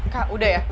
kak udah ya